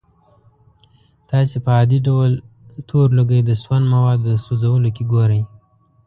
تاسې په عادي ډول تور لوګی د سون موادو د سوځولو کې ګورئ.